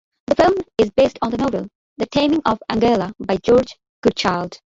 The film is based on the novel "The Taming of Angela" by George Goodchild.